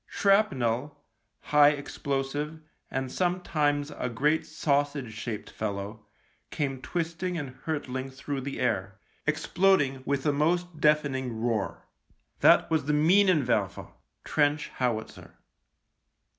Shrapnel, high ex plosive, and sometimes a great sausage shaped fellow, came twisting and hurtling through the air, exploding, with a most deafening roar. That was the Minenwerfer (trench howitzer).